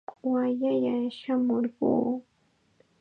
Wallalla shamurquu.